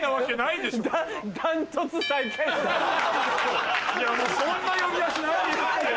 いやそんな呼び出しないって。